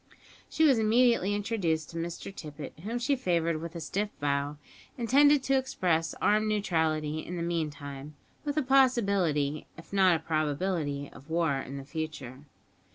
She was immediately introduced to Mr Tippet, whom she favoured with a stiff bow, intended to express armed neutrality in the meantime; with a possibility, if not a probability, of war in the future.